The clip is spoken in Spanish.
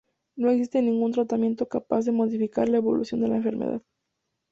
No existe ningún tratamiento capaz de modificar la evolución de la enfermedad.